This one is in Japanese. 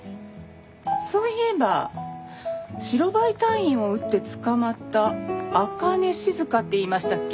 そういえば白バイ隊員を撃って捕まった朱音静っていいましたっけ。